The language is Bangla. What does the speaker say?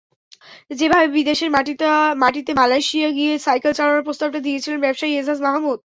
যেভাবে বিদেশের মাটিতেমালয়েশিয়ায় গিয়ে সাইকেল চালানোর প্রস্তাবটা দিয়েছিলেন ব্যবসায়ী এজাজ মাহমুদ।